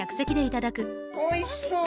おいしそう！